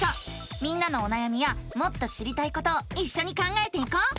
みんなのおなやみやもっと知りたいことをいっしょに考えていこう！